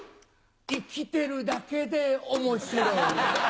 生きてるだけで面白い。